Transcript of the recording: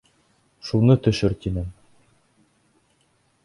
Шуны төшөр, тинем.